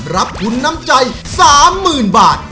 รับทุนน้ำใจ๓๐๐๐บาท